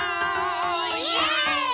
イエーイ！